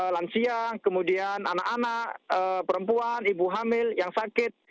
lansia kemudian anak anak perempuan ibu hamil yang sakit